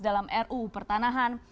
dalam ruu pertanahan